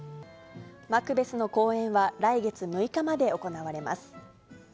マクベスの公演は来月６日まで行われます。